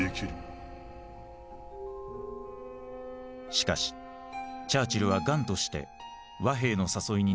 しかしチャーチルは頑として和平の誘いに乗ってこない。